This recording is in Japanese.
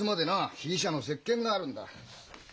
被疑者の接見があるんだ。